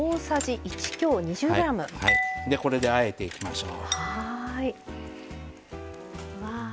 これで、あえていきましょう。